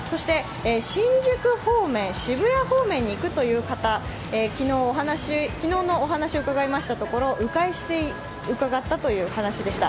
新宿方面、渋谷方面に行くという方、昨日のお話を伺いましたところ迂回して伺ったという話でした。